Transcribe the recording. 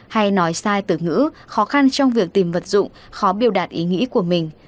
hay nói sai từ ngữ khó khăn trong việc tìm vật dụng khó biểu đạt ý nghĩ của mình